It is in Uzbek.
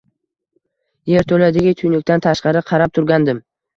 Yerto‘ladagi tuynukdan tashqari qarab turgandim